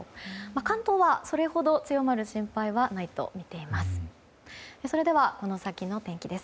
関東はそれほど強まる心配はないとみています。